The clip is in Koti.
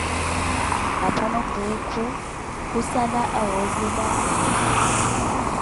Apanho Puukhu khusala awoozela ori.